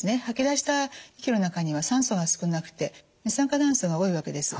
吐き出した呼気の中には酸素が少なくて二酸化炭素が多いわけです。